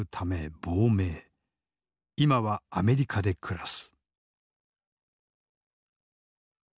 今はアメリカで暮らす。